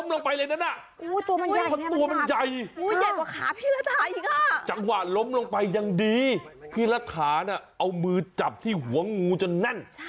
ตัวมันใหญ่แน่มากจังหวะล้มลงไปยังดีพิราษาเอามือจับที่หัวงูจนแน่น